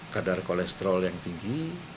kadar kolesterol yang tinggi